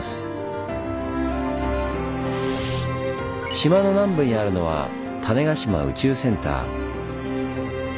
島の南部にあるのは種子島宇宙センター。